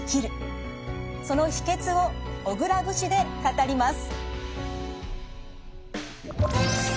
その秘けつを小倉節で語ります。